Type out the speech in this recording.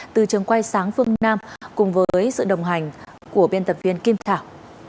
từ trường quay sáng phương nam cùng với sự đồng hành của biên tập viên kim thảo